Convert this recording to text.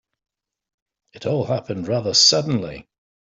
It all happened rather suddenly.